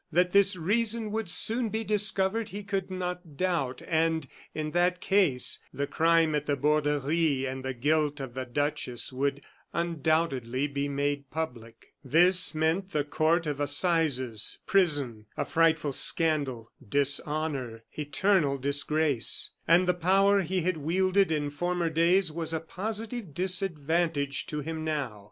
That this reason would soon be discovered, he could not doubt, and, in that case, the crime at the Borderie, and the guilt of the duchess, would undoubtedly be made public. This meant the Court of Assizes, prison, a frightful scandal, dishonor, eternal disgrace! And the power he had wielded in former days was a positive disadvantage to him now.